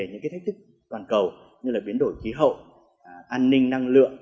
những cái thách thức toàn cầu như biến đổi khí hậu an ninh năng lượng